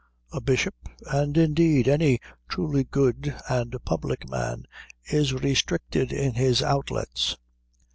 A bishop, and indeed any truly good and public man, is restricted in his outlets.